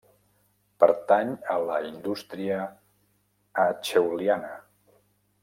Pertany a la indústria acheuliana.